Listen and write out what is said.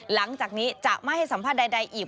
หลังจากนี้จะไม่ให้สัมภาษณ์ใดอีก